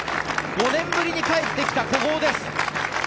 ５年ぶりに帰ってきた古豪です。